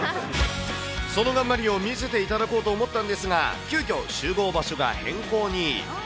その頑張りを見せていただこうと思ったんですが、急きょ、集合場所が変更に。